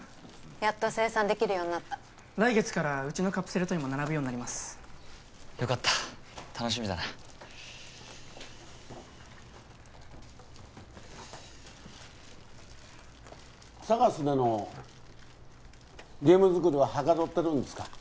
やっと生産できるようになった来月からうちのカプセルトイも並ぶようになりますよかった楽しみだなＳＡＧＡＳでのゲーム作りははかどってるんですか？